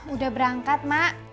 udah berangkat mak